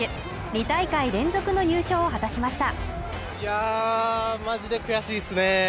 ２大会連続の入賞を果たしました